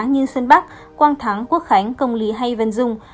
như xuân bắc quang thắng quốc khánh công lý hay vân dung